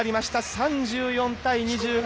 ３４対２８。